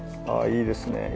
いいですね